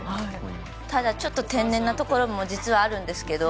ただ、ちょっと天然なところも実はあるんですけど。